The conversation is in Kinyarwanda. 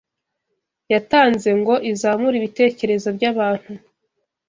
yatanze ngo izamure ibitekerezo by’abantu